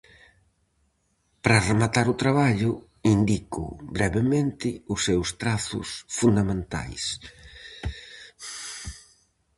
Para rematar o traballo, indico brevemente os seus trazos fundamentais.